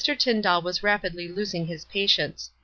Tyndall was rapidly losing his patience.